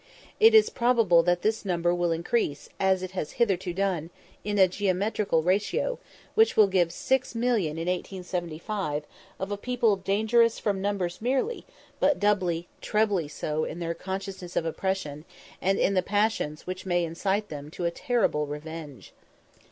It is probable that this number will increase, as it has hitherto done, in a geometrical ratio, which will give 6,000,000, in 1875, of a people dangerous from numbers merely, but doubly, trebly so in their consciousness of oppression, and in the passions which may incite them to a terrible revenge.